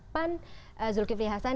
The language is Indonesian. pan zulkifli hasan